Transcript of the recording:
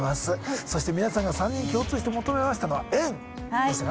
そして皆さんが３人共通して求めましたのは縁でしたね